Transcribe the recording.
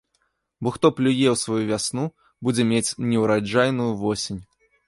Бо хто плюе ў сваю вясну, будзе мець неўраджайную восень.